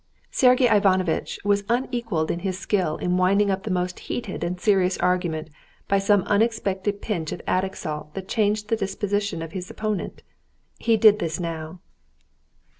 Sergey Ivanovitch was unequaled in his skill in winding up the most heated and serious argument by some unexpected pinch of Attic salt that changed the disposition of his opponent. He did this now.